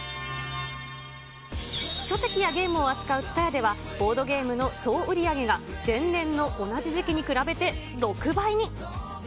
書籍やゲームを扱うＴＳＵＴＡＹＡでは、ボードゲームの総売り上げが前年の同じ時期に比べて、６倍に。